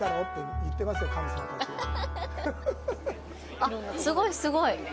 あっ、すごいすごい。